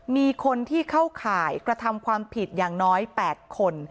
มีคนที่เข้าข่ายกระทำความผิดอย่างน้อย๘คน